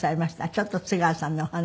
ちょっと津川さんのお話。